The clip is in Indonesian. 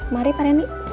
mari pak rindy